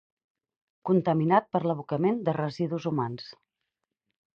Contaminat per l'abocament de residus humans.